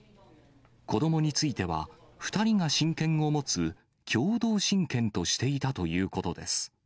子どもについては、２人が親権を持つ共同親権としていたということです。